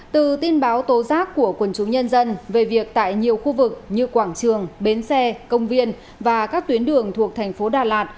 từ tin báo tố giác của quần chúng nhân dân về việc tại nhiều khu vực như quảng trường bến xe công viên và các tuyến đường thuộc thành phố đà lạt